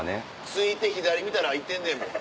着いて左見たらいてんねんもん。